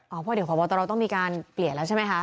เพราะเดี๋ยวพบตรต้องมีการเปลี่ยนแล้วใช่ไหมคะ